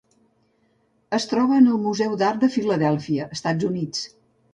Es troba en el Museu d'Art de Filadèlfia, Estats Units.